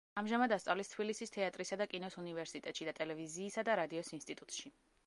ამჟამად ასწავლის თბილისის თეატრისა და კინოს უნივერსიტეტში და ტელევიზიისა და რადიოს ინსტიტუტში.